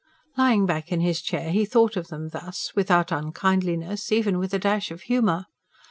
Lying back in his chair he thought of them thus, without unkindliness, even with a dash of humour.